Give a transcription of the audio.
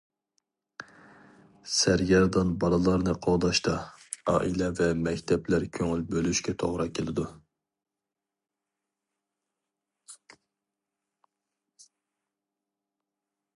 سەرگەردان بالىلارنى قوغداشتا، ئائىلە ۋە مەكتەپلەر كۆڭۈل بۆلۈشكە توغرا كېلىدۇ.